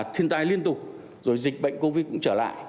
thiên tai liên tục rồi dịch bệnh covid cũng trở lại